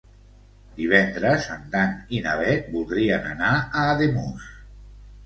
Divendres en Dan i na Bet voldrien anar a Ademús.